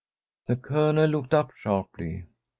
The Colonel looked up sharply.